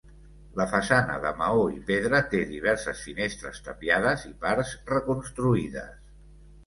La façana de maó i pedra té diverses finestres tapiades i parts reconstruïdes.